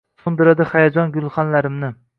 So’ndirdi hayajon gulxanlarimni…